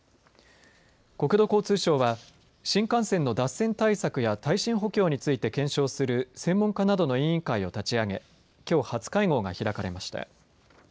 国土交通省は新幹線の対戦対策や耐震補強について検証する専門家などの委員会を立ち上げきょう初会合が開かれました。